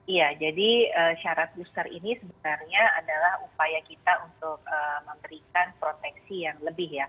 iya jadi syarat booster ini sebenarnya adalah upaya kita untuk memberikan proteksi yang lebih ya